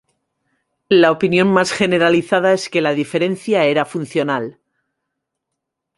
La opinión más generalizada es que la diferencia era funcional.